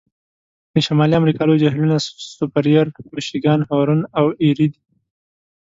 د شمالي امریکا لوی جهیلونه سوپریر، میشیګان، هورن او ایري دي.